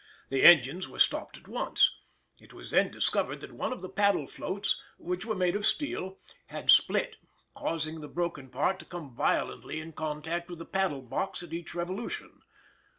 The engines were stopped at once; it was then discovered that one of the paddle floats, which were made of steel, had split, causing the broken part to come violently in contact with the paddle box at each revolution.